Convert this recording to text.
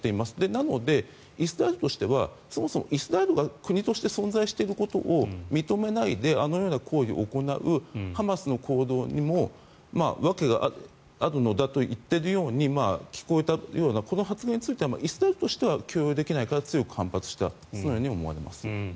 なので、イスラエルとしてはそもそもイスラエルが国として存在していることを認めないであのような行為を行うハマスの行動にも訳があるのだと言っているように聞こえたようなこの発言についてはイスラエルとしては許容できないから強く反発したと思われます。